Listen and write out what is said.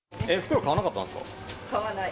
買わない。